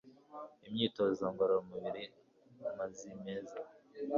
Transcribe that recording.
imyitozo ngororamubiri amazi meza